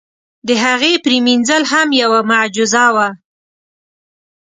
د هغې پرېمنځل هم یوه معجزه وه.